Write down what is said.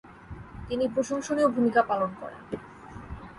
তিনি প্রশংসনীয় ভূমিকা পালন করেন।